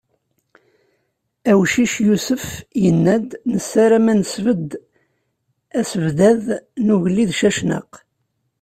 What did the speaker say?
Awcic Yusef, yenna-d: "Nessaram ad nesbedd asebddad n ugellid Cacnaq."